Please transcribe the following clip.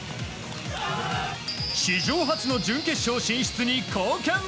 史上初の準決勝進出に貢献。